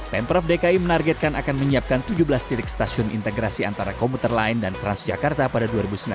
pemprov dki menargetkan akan menyiapkan tujuh belas titik stasiun integrasi antara komuter lain dan transjakarta pada dua ribu sembilan belas